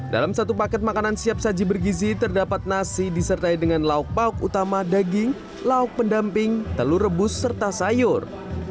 dalam satu paket makanan siap saji bergizi terdapat nasi disertai dengan lauk pauk utama daging lauk pendamping telur rebus serta sayur